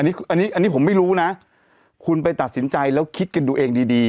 อันนี้อันนี้ผมไม่รู้นะคุณไปตัดสินใจแล้วคิดกันดูเองดีดี